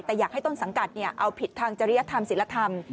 แต่อยากให้ต้นสังกัดเอาผิดทางจริยธรรมศิลธรรม